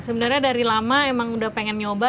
sebenarnya dari lama emang udah pengen nyoba